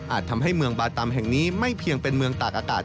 ทำให้เมืองบาตำแห่งนี้ไม่เพียงเป็นเมืองตากอากาศ